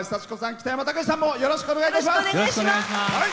北山たけしさんもよろしくお願いします。